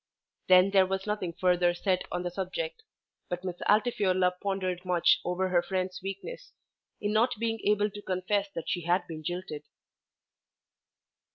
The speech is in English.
Then there was nothing further said on the subject, but Miss Altifiorla pondered much over her friend's weakness in not being able to confess that she had been jilted.